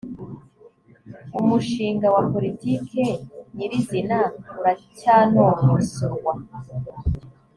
umushinga wa politiki nyir’izina uracyanonosorwa